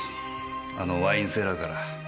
あのワインセラーから。